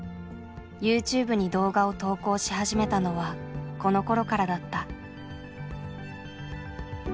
ユーチューブに動画を投稿し始めたのはこのころからだった。